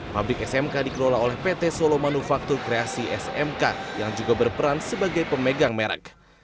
pabrik smk dikelola oleh pt solo manufaktur kreasi smk yang juga berperan sebagai pemegang merek